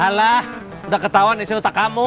alah udah ketauan isinya otak kamu